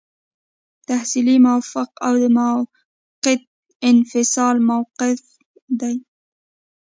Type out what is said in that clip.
تحصیلي موقف او د موقت انفصال موقف.